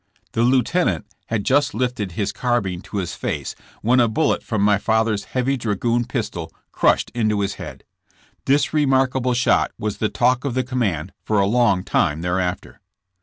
The lieutenant had just lifted his carbine to his face when a bullet from my father's heavy dragoon pistol crushed into his head. This remarkable shot was the talk of the command for a long time thereafter.